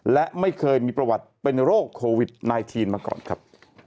และไม่เคยมีประวัติเป็นโรคโควิด๑๙มาก่อนครับ